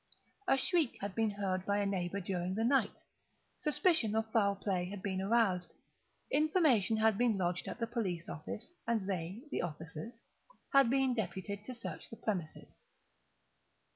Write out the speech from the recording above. A shriek had been heard by a neighbour during the night; suspicion of foul play had been aroused; information had been lodged at the police office, and they (the officers) had been deputed to search the premises.